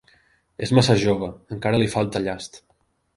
És massa jove: encara li falta llast.